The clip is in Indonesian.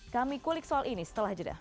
kami kulik soal ini setelah jeda